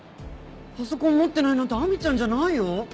パソコン持ってないなんて亜美ちゃんじゃないよ！